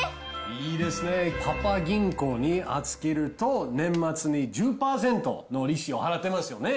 いいですね、パパ銀行に預けると、年末に１０％の利子を払ってますよね。